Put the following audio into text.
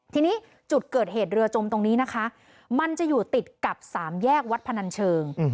ทีนี้จุดเกิดเหตุเรือจมตรงนี้นะคะมันจะอยู่ติดกับสามแยกวัดพนันเชิง